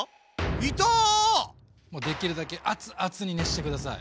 もうできるだけ熱々に熱して下さい。